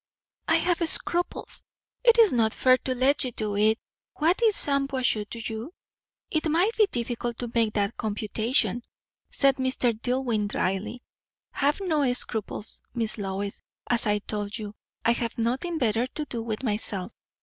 "I have scruples. It is not fair to let you do it. What is Shampuashuh to you?" "It might be difficult to make that computation," said Mr. Dillwyn dryly. "Have no scruples, Miss Lois. As I told you, I have nothing better to do with myself.